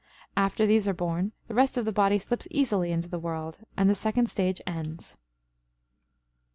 After these are born, the rest of the body slips easily into the world, and the second stage ends.